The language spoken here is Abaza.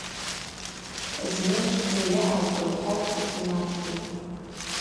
Зны швпны йаъазтӏ,–лхӏватӏ Фатӏиматгьи.